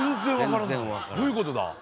どういうことだ？